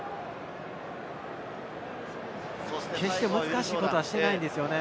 決して難しいことはしていないんですよね。